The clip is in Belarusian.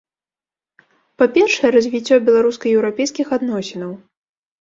Па-першае, развіццё беларуска-еўрапейскіх адносінаў.